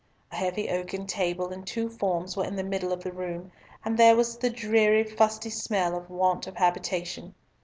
A heavy oaken table and two forms were in the middle of the room, and there was the dreary, fusty smell of want of habitation.